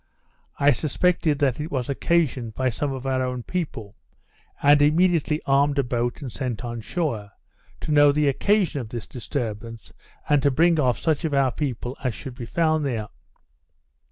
I suspected that it was occasioned by some of our own people; and immediately armed a boat, and sent on shore, to know the occasion of this disturbance, and to bring off such of our people as should be found there.